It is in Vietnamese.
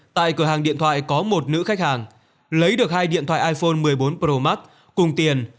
tại cửa hàng điện thoại có một nữ khách hàng lấy được hai điện thoại iphone một mươi bốn pro max cùng tiền